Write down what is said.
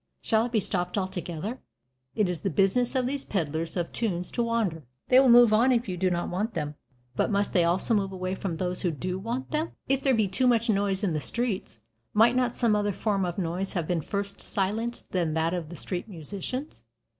Shall it be stopped altogether? It is the business of these peddlers of tunes to wander. They will move on if you do not want them. But must they also move away from those who do want them? If there be too much noise in the streets, might not some other form of noise have been first silenced than that of the street musicians?